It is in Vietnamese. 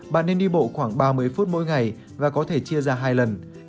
bạn nên đi bộ khoảng ba mươi phút mỗi ngày và có thể chia ra hai lần